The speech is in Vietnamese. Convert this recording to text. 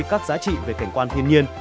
các giá trị về cảnh quan thiên nhiên